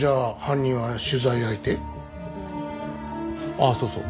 ああそうそう。